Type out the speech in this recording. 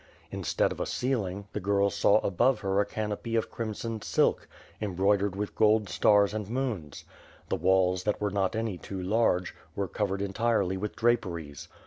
Instead of a ceiling, the girl saw above her a canopy of crimson silk, embroidered with gold stars and moons. The walls, that were not any too large, were covered entirely with draperies.